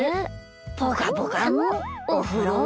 ポカポカのおふろ。